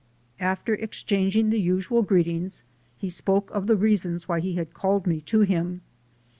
After exchanging the usual greet ings, he spoke of the reasons why he had called me to him.